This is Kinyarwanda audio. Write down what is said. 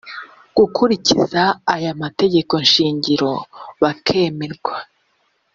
gukurikiza aya mategeko shingiro bakemerwa